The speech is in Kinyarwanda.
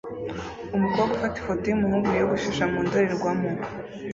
Umukobwa ufata ifoto yumuhungu wiyogoshesha mu ndorerwamo